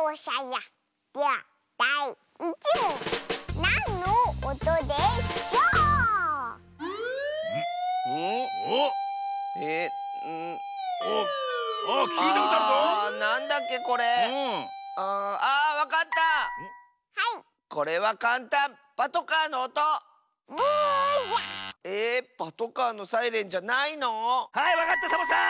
はいわかったサボさん！